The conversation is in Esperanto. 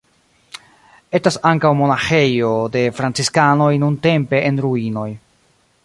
Estas ankaŭ monaĥejo de franciskanoj nuntempe en ruinoj.